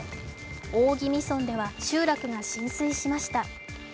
大宜味村では集落が浸水しました。